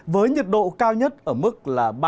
với nhiệt độ cao nhất ở mức